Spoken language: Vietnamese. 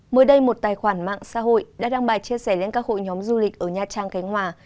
mới đây một tài khoản mạng xã hội đã đăng bài chia sẻ lên các hội nhóm du lịch ở nha trang cánh hòa